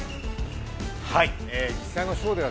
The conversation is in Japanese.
◆実際のショーでは